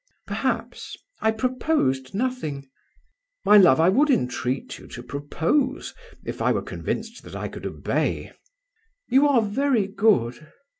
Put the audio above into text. "Perhaps. I proposed nothing." "My love, I would entreat you to propose if I were convinced that I could obey." "You are very good."